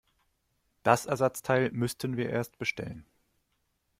Das Ersatzteil müssten wir erst bestellen.